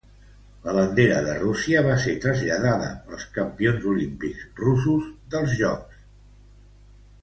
La bandera de Rússia va ser traslladada pels campions olímpics russos dels Jocs.